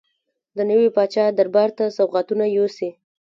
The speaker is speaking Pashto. د نوي پاچا دربار ته سوغاتونه یوسي.